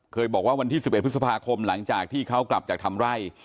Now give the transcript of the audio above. บอกว่าวันที่๑๑พฤษภาคมหลังจากที่เขากลับจากทำไร่